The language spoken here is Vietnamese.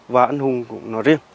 và anh hùng nói riêng